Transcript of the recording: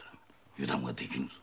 油断はできぬ。